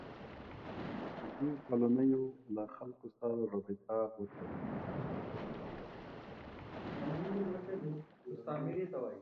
د دې کالونیو له خلکو سره رابطه غوڅه وه.